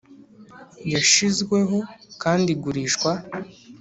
yashizweho kandi igurishwa